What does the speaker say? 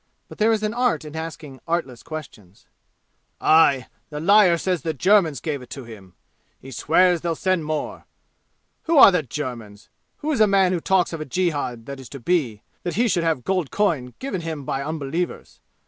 But there is an art in asking artless questions. "Aye! The liar says the Germans gave it to him! He swears they will send more. Who are the Germans? Who is a man who talks of a jihad that is to be, that he should have gold coin given him by unbelievers?